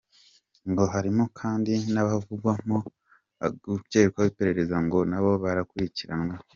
Ngo harimo kandi n’abavugwamo bagikorwaho iperereza ngo nabo bakurikiranwe.